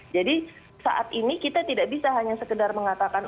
jadi saat ini kita tidak bisa hanya sekedar mengatakan